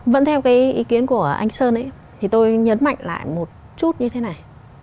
vẫn theo cái ý kiến của anh sơn ấy thì tôi nhấn mạnh lại một chút như thế này